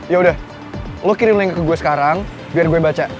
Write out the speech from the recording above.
ya udah lo kirim link ke gue sekarang biar gue baca